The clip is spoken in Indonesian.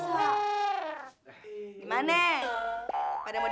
pada mau digoyang kagak